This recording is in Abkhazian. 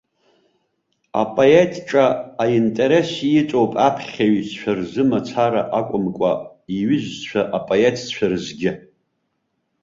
Апоет ҿа аинтерес иҵоуп аԥхьаҩцәа рзы мацара акәымкәа, иҩызцәа апоетцәа рзгьы.